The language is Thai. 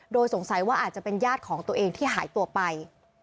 โดยสงสัยว่าอาจจะเป็นญาติของตัวเองที่หายตัวไป